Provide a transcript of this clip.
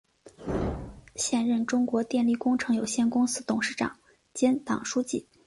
现任中国电力工程有限公司董事长兼党书记。